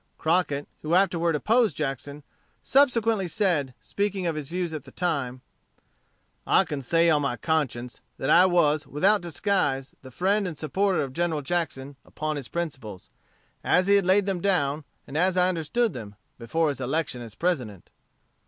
Crockett, who afterward opposed Jackson, subsequently said, speaking of his views at that time: "I can say on my conscience, that I was, without disguise, the friend and supporter of General Jackson upon his principles, as he had laid them down, and as I understood them, before his election as President."